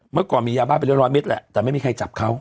เมื่อก่อนมียาบ้าเป็นร้อยเมตรแหละแต่ไม่มีใครจับเขา